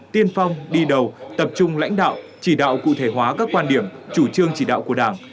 tiên phong đi đầu tập trung lãnh đạo chỉ đạo cụ thể hóa các quan điểm chủ trương chỉ đạo của đảng